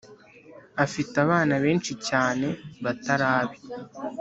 afite abana benshi cyane batari abe.